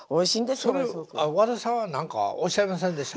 それ和田さんは何かおっしゃいませんでした？